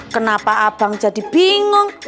kenapa abang jadi bingung